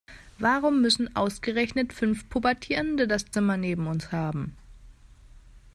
Warum müssen ausgerechnet fünf Pubertierende das Zimmer neben uns haben?